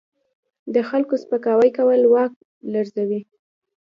د خلکو سپکاوی کول واک لرزوي.